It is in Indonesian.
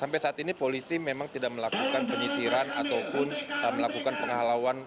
sampai saat ini polisi memang tidak melakukan penyisiran ataupun melakukan penghalauan